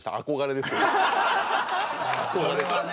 これはね。